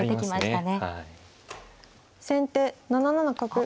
先手７七角。